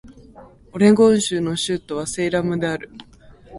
オレゴン州の州都はセイラムである